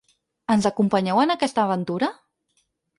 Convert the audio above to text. Ens acompanyeu en aquesta aventura?